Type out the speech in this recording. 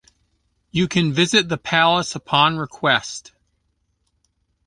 You can visit the palace upon request.